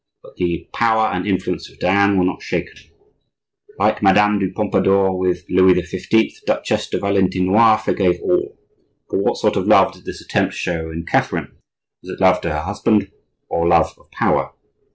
But the power and influence of Diane were not shaken. Like Madame de Pompadour with Louis XV., the Duchesse de Valentinois forgave all. But what sort of love did this attempt show in Catherine? Was it love to her husband or love of power?